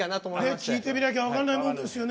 聞いてみないと分からないものですよね。